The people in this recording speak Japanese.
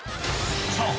さあ